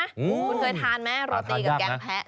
คุณเคยทานมั้ยหาทานยากนะ